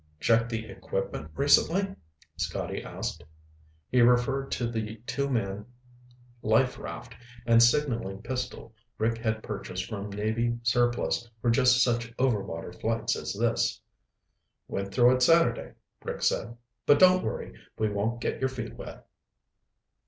"Checked the equipment recently?" Scotty asked. He referred to the two man life raft and signaling pistol Rick had purchased from Navy surplus for just such overwater flights as this. "Went through it Saturday," Rick said. "But don't worry. We won't get your feet wet."